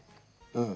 うん。